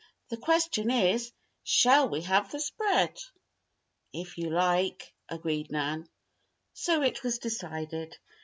"The question is: Shall we have the spread?" "If you like," agreed Nan. So it was decided.